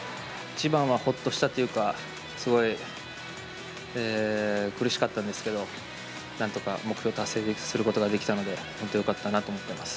一番はほっとしたというか、すごい苦しかったんですけど、なんとか目標を達成することができたので、本当よかったなと思っています。